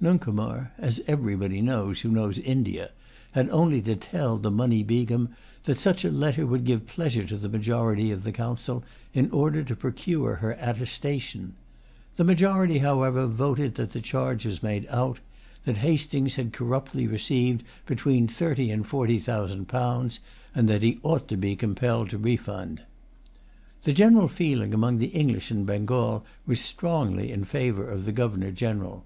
Nuncomar, as everybody knows who knows India, had only to tell the Munny Begum that such a letter would give pleasure to the majority of the Council, in order to procure her attestation. The majority, however, voted that the charge was made out; that Hastings had corruptly received between thirty and forty thousand pounds; and that he ought to be compelled to refund. The general feeling among the English in Bengal was strongly in favor of the Governor General.